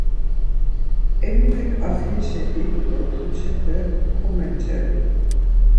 Eminek axirişa idu do pucepe komenç̌elu.